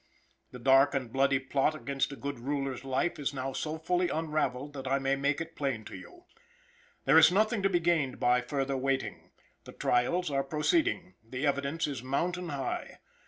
The dark and bloody plot against a good ruler's life is now so fully unraveled that I may make it plain to you. There is nothing to be gained by further waiting; the trials are proceeding; the evidence is mountain high.